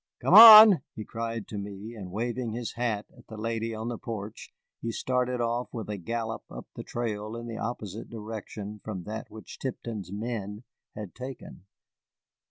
"Come on," he cried to me, and, waving his hat at the lady on the porch, he started off with a gallop up the trail in the opposite direction from that which Tipton's men had taken.